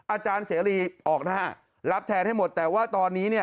อาจารย์เสรีออกนะฮะรับแทนให้หมดแต่ว่าตอนนี้เนี่ย